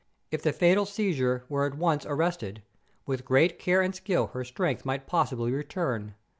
If the fatal seizure were at once arrested, with great care and skill her strength might possibly return.